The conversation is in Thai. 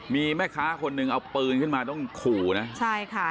มีแม่ค้าคนหนึ่งเอาปืนขึ้นมาต้องขู่นะใช่ค่ะ